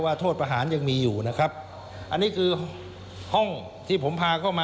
โทษประหารยังมีอยู่นะครับอันนี้คือห้องที่ผมพาเข้ามา